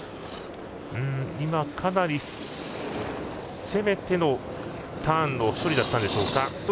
かなり攻めてのターンの処理だったでしょうか。